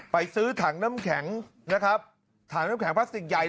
ไปซื้อถังน้ำแข็งถังน้ำแข็งพลาสติกใหญ่